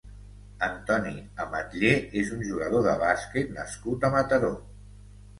Antoni Ametller és un jugador de bàsquet nascut a Mataró.